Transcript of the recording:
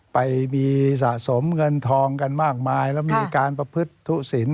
ไปมีสะสมเงินทองกันมากมายแล้วมีการประพฤติธุศิลป